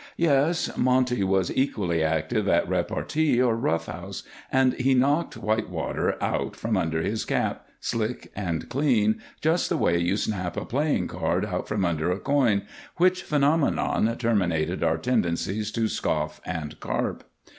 Yes, Monty was equally active at repartee or rough house, and he knocked Whitewater out from under his cap, slick and clean, just the way you snap a playing card out from under a coin, which phenomenon terminated our tendencies to scoff and carp.